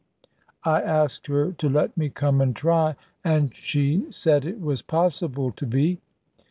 I asked her to let me come and try; and she said it was possible to be.